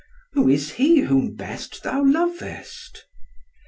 "Who is he whom best thou lovest?"